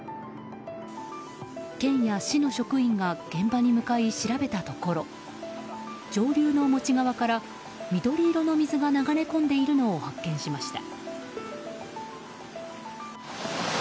県や市の職員が現場に向かい調べたところ上流のモチ川から緑色の水が流れ込んでいるのを発見しました。